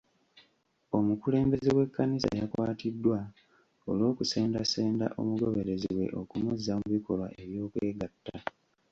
Omukulembeze w'ekkanisa yakwatiddwa olw'okusendasenda omugoberezi we okumuzza mu bikolwa eby'okwegatta.